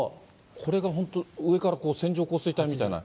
これが本当に上から線状降水帯みたいな。